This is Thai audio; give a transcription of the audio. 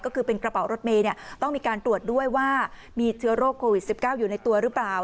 ก็คือเป็นกระเป๋ารถเมย์ต้องมีการตรวจด้วยว่ามีเชื้อโรคโควิด๑๙อยู่ในตัวหรือเปล่า